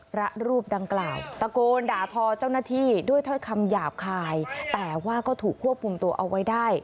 พระรูปดังกล่าวตะโกนด่าทอเจ้าหน้าที่ด้วยถ้อยคำหยาบคายแต่ว่าก็ถูกควบคุมตัวเอาไว้ได้